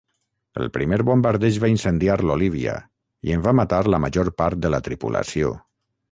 El primer bombardeig va incendiar l'"Olivia" i en va matar la major part de la tripulació.